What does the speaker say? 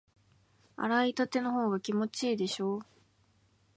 洗いたてのほうが気持ちいいでしょ？